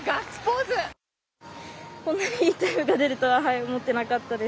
こんなにいいタイムが出るとは思ってなかったです。